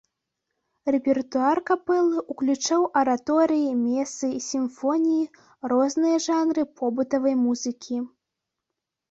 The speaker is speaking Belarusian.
Рэпертуар капэлы ўключаў араторыі, месы, сімфоніі, розныя жанры побытавай музыкі.